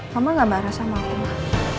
mama gak marah sama aku mah